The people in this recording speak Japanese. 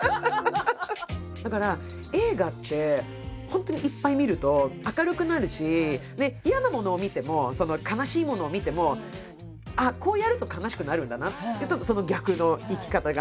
だから映画って本当にいっぱい見ると明るくなるし嫌なものを見ても悲しいものを見てもあっこうやると悲しくなるんだなっていうとその逆の生き方が。